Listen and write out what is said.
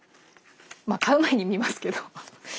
まあ買う前に見ますけど。